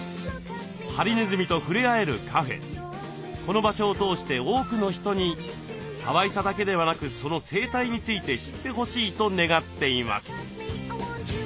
この場所を通して多くの人にかわいさだけではなくその生態について知ってほしいと願っています。